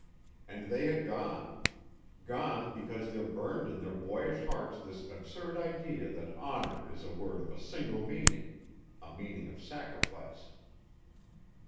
And they had gone! Gone because there burned in their boyish hearts this absurd idea that honor is a word of a single meaning: a meaning of sacrifice.